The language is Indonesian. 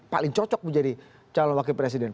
paling cocok menjadi calon wakil presiden